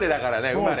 うまい！